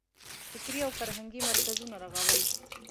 فکري او فرهنګي مرکزونه رغول.